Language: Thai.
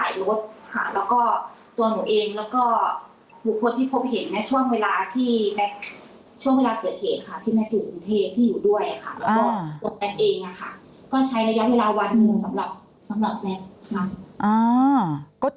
แล้วก็ตัวแม็กซ์เองค่ะก็ใช้ระยะเวลาวันหนึ่งสำหรับแม็กซ์ค่ะ